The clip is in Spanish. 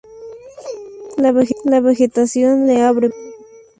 La vegetación le abre paso.